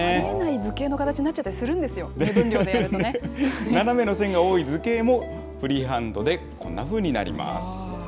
図形の形になっちゃったりするんですよ、目分量で斜めの線が多い図形も、フリーハンドでこんなふうになります。